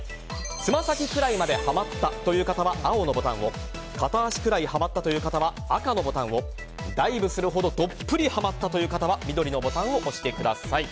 つま先くらいまでハマったという方は青のボタンを片足くらいはハマったという方は赤のボタンをダイブするほどどっぷりハマったという方は緑のボタンを押してください。